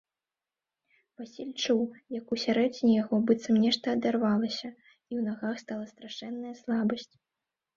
Васіль чуў, як усярэдзіне яго быццам нешта адарвалася і ў нагах стала страшэнная слабасць.